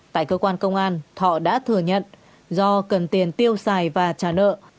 tại cơ quan công an thọ đã thừa nhận do cần tiền tiêu xài và trả nợ